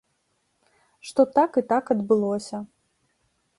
Што так і так адбылося.